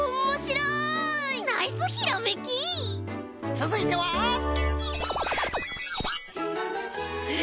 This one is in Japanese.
つづいては。え！